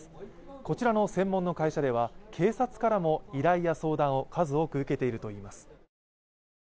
こちらの専門の会社では、警察からも依頼や相談を数多く受けているといいます。